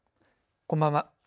こんばんは。